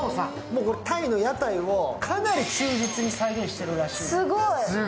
もうタイの屋台をかなり忠実に再現しているらしいです。